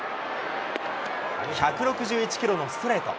１６１キロのストレート。